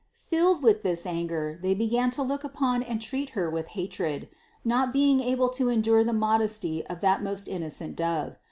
Filled with this anger, they began to look upon and treat Her with hatred, not being able to endure the modesty of that most innocent Dove.